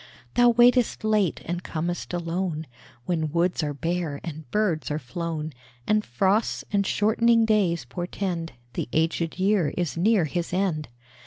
Thou waitest late and com'st alone, When woods are bare and birds are flown, And frosts and shortening days portend The aged year is near his end.